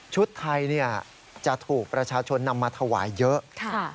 ไทยจะถูกประชาชนนำมาถวายเยอะ